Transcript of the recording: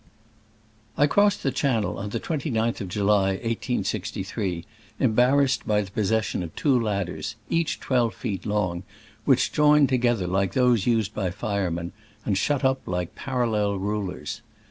I CROSSED the Channel on the 29th of July, »i863, embarrassed by the possession of two ladders, each twelve feet long, which joined together like those used by firemen, and shut up like parallel rulers.